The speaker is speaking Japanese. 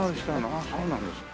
ああそうなんですか。